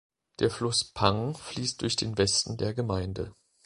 Der Fluss Pang fließt durch den Westen der Gemeinde.